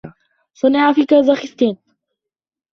صنع في كازخستان.